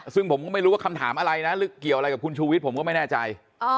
ซึ่งผมก็ไม่รู้ว่าคำถามอะไรนะหรือเกี่ยวอะไรกับคุณชูวิทย์ผมก็ไม่แน่ใจ